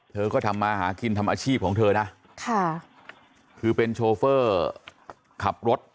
เธอก็ทำมาหากินทำอาชีพของเธอนะค่ะคือเป็นโชเฟอร์ขับรถ